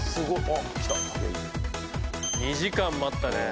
２時間待ったね。